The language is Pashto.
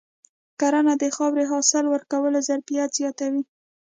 کرنه د خاورې د حاصل ورکولو ظرفیت زیاتوي.